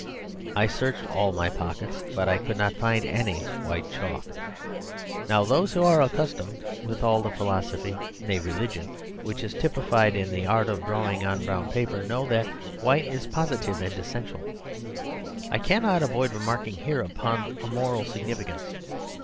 I searched all my pockets, but I could not find any white chalk. Now, those who are acquainted with all the philosophy (nay, religion) which is typified in the art of drawing on brown paper, know that white is positive and essential. I cannot avoid remarking here upon a moral significance.